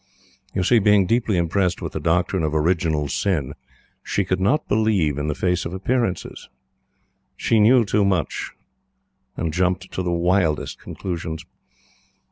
You see, being deeply impressed with the doctrine of Original Sin, she could not believe in the face of appearances. She knew too much, and jumped to the wildest conclusions.